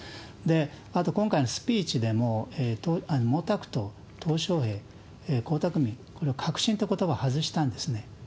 あと今回のスピーチでも、毛沢東、小平、江沢民、これを革新ってことばを外したんですね。